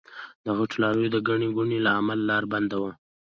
د غټو لاريو د ګڼې ګوڼې له امله لار بنده وه.